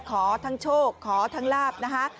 ขอทั้งโชคขอทั้งลาบนะคะ